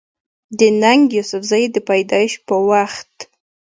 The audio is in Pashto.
د ننګ يوسفزۍ د پېدايش پۀ وخت